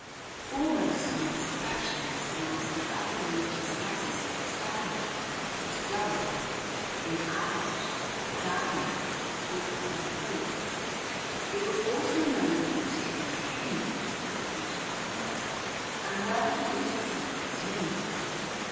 Foremost in his affections amongst the other religious houses of his founding was Durrow in Irish Dair nagh, or the plain of oaks. It was also known as Druin Cain, or "the beautiful hill," and well did it deserve its name.